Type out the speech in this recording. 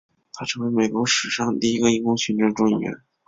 他成为美国史上第一个因公殉职的众议员。